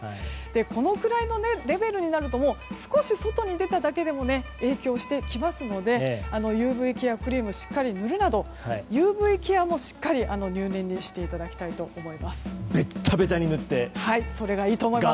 このくらいのレベルになると少し外に出ただけでも影響してきますのでＵＶケアクリームをしっかり塗るなどＵＶケアもしっかり入念にしていただきたいと思います。